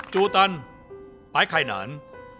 จูตันปลายไข่หนาน